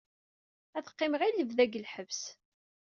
Ad qqimeɣ i lebda deg lḥebs.